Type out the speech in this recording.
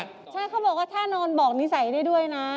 ใช่เขาบอกว่าถ้านอนบอกนิสัยได้ด้วยนะ